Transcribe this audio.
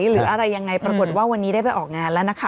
หรืออะไรยังไงปรากฏว่าวันนี้ได้ไปออกงานแล้วนะคะ